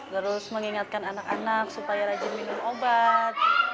terus mengingatkan anak anak supaya rajin minum obat